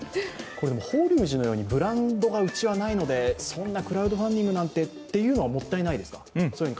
法隆寺のようにブランドがうちはないので、そんなクラウドファンディングなんてと感じるのは、もったいないですか？